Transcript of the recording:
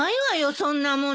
そんなもの。